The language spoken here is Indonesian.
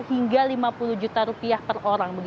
hingga lima puluh juta rupiah per orang